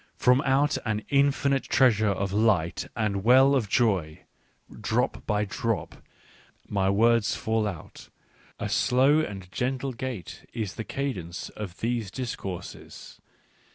From out an infinite treasure of light and.well of joy, drop by drop, my words fall out — a slow and gentle gait is the cadence of these discourses.